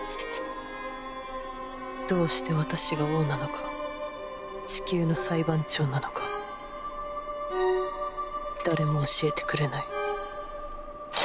どうして私が王なのかチキューの裁判長なのか誰も教えてくれない。